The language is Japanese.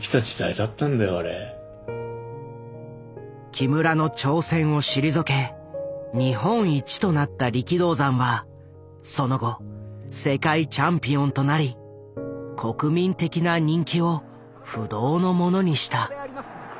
木村の挑戦を退け日本一となった力道山はその後世界チャンピオンとなり国民的な人気を不動のものにした。